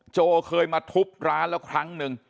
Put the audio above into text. โจเคยมาทุบร้านแล้วครั้งหนึ่ง